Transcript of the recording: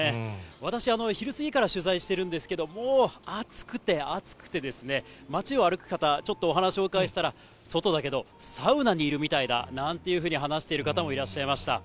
私、昼過ぎから取材してるんですけど、もう暑くて暑くてですね、街を歩く方、ちょっとお話をお伺いしたら、外だけどサウナにいるみたいだなんて話している方もいらっしゃいました。